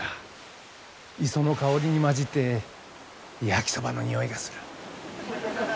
磯の香りに混じって焼きそばのにおいがする。